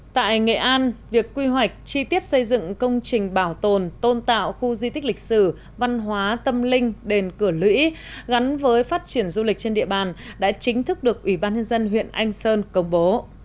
tại nghệ an việc quy hoạch chi tiết xây dựng công trình bảo tồn tôn tạo khu di tích lịch sử văn hóa tâm linh đền cửa lũy gắn với phát triển du lịch trên địa bàn đã chính thức được ủy ban nhân dân huyện anh sơn công bố